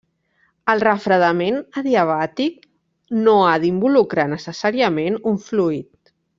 El refredament adiabàtic no ha d'involucrar necessàriament un fluid.